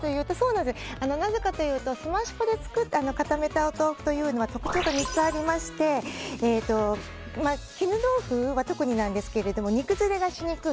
なぜかというとすまし粉で固めたお豆腐は特徴が３つありまして絹豆腐は特になんですけど煮崩れがしにくい。